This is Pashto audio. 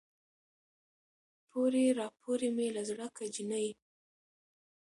پورې راپورې مې له زړه که جينۍ